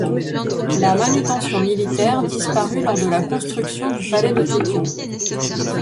La Manutention militaire disparut lors de la construction du palais de Tokyo.